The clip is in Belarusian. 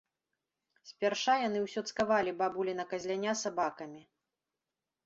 Спярша яны ўсё цкавалі бабуліна казляня сабакамі.